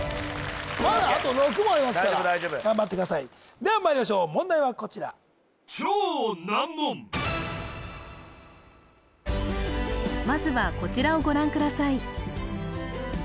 大丈夫大丈夫頑張ってくださいではまいりましょう問題はこちらまずはこちらをご覧ください